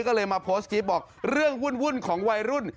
ก็เลยมาโพสต์คลิปบอกเรื่องวุ่นของวัยรุ่น